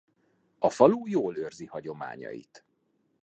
A falu jól őrzi hagyományait.